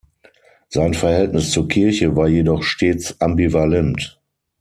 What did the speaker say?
Sein Verhältnis zur Kirche war jedoch stets ambivalent.